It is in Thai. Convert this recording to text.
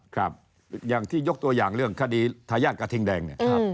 ครับอย่างที่ยกตัวอย่างเรื่องคดีทายาทกระทิงแดงเนี่ย